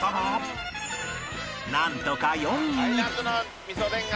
なんとか４位に